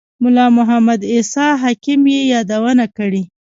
ملا محمد عیسی حکیم یې یادونه کړې.